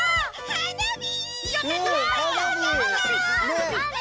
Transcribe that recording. はなび！？